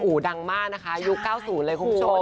อู๋ดังมากยุค๙๐เลยคุณผู้ชม